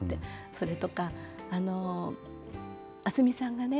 それとか渥美さんがね